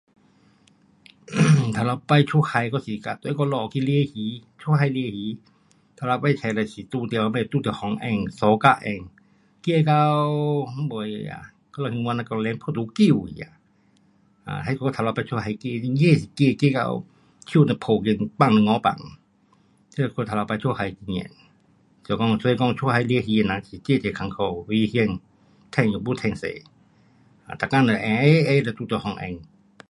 um 第一次去出海，还是跟跟我们去抓鱼。出海抓鱼，头一次出就是遇到什么，遇到风烟三角高，怕到还没呀，我们兴华人叫嘞怕都缩去，那我第一次出海，有真是怕，怕到手都抱紧放都【不敢】放。这是我第一次出海经验。是讲所以讲出海抓鱼的人是真正困苦，危险，赚也没赚多。啊，每天都闲闲就遇到风烟。